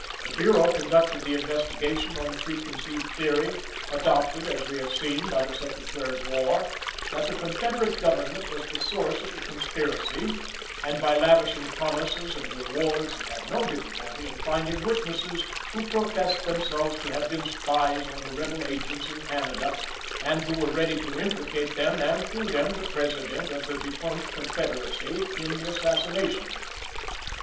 The Bureau conducted the investigation on the preconceived theory, adopted, as we have seen, by the Secretary of War, that the Confederate Government was the source of the conspiracy; and, by lavishing promises and rewards, it had no difficulty in finding witnesses who professed themselves to have been spies on the rebel agents in Canada and who were ready to implicate them and through them the President of the defunct Confederacy in the assassination.